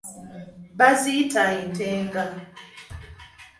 Baziyita entenga.